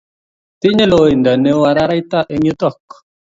Tinye loindo ne oo araraita eng yutuk